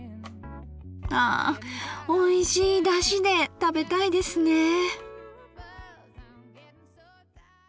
あおいしいだしで食べたいですねえ。